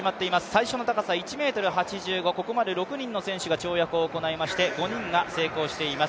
最初の高さ１ｍ８５、ここまで６人の選手が跳躍を行いまして、５人が成功しています。